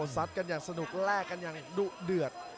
ซัดกันอย่างสนุกแลกกันอย่างดุเดือด